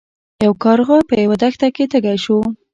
یو کارغه په یوه دښته کې تږی شو.